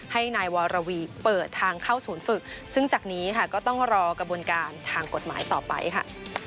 ให้นายวรวีเปิดทางเข้าศูนย์ฝึกซึ่งจากนี้ค่ะก็ต้องรอกระบวนการทางกฎหมายต่อไปค่ะ